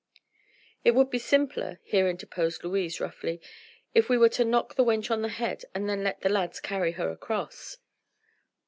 "It would be simpler," here interposed Louise roughly, "if we were to knock the wench on the head and then let the lads carry her across."